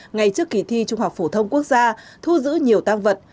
ngay trước kỳ thi trung học phổ thông quốc gia thu giữ nhiều tăng vật